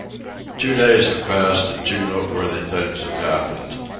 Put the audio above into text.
Two days have passed, and two noteworthy things have happened.